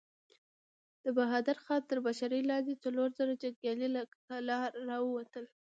د بهادر خان تر مشرۍ لاندې څلور زره جنګيالي له کلا را ووتل.